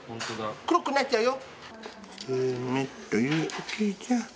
黒くなっちゃうよ。